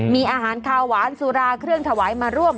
มีอาหารคาวหวานสุราเครื่องถวายมาร่วม